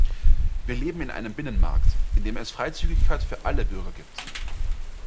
Wir leben in einem Binnenmarkt, in dem es Freizügigkeit für alle Bürger gibt.